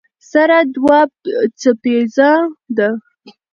سره دوه څپیزه ده.